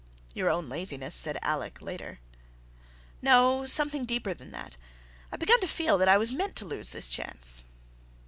"Your own laziness," said Alec later. "No—something deeper than that. I've begun to feel that I was meant to lose this chance."